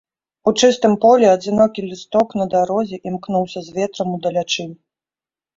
У чыстым полі адзінокі лісток на дарозе імкнуўся з ветрам удалячынь.